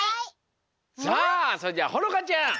さあそれじゃほのかちゃん。